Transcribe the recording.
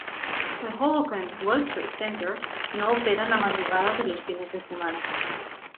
El Hoboken–World Trade Center no opera en la madrugada de los fines de semana.